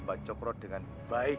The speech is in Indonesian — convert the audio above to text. mbak cokro dengan baik